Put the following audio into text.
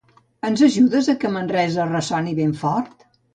Ens ajudes a que Manresa ressoni ben fort?